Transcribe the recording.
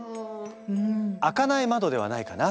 開かない窓ではないかな。